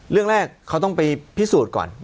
เรื่องแรกเขาต้องไปพิสูจน์ก่อน